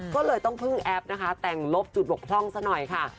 ก็เลยต้องพึ่งแอปนะคะแต่งลบจุดบกพร่องซะหน่อยค่ะ